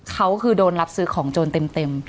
เขาคือโดนรับซื้อของโจรเต็ม